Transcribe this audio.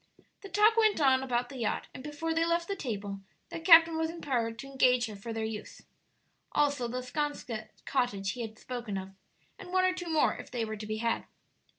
The talk went on about the yacht, and before they left the table the captain was empowered to engage her for their use. Also the 'Sconset cottage he had spoken of, and one or two more, if they were to be had.